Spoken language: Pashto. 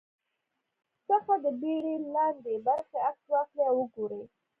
څخه د بېړۍ لاندې برخې عکس واخلي او وګوري